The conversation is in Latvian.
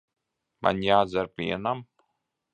Man jādzer vienam?